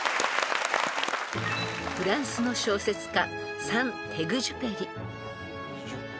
［フランスの小説家］